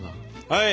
はい！